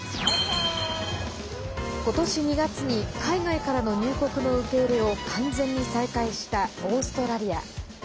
ことし２月に海外からの入国の受け入れを完全に再開したオーストラリア。